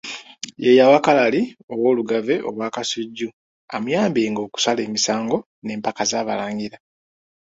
Ye yawa Kalali ow'Olugave Obwakasujju amuyambenga okusala emisango n'empaka z'Abalangira.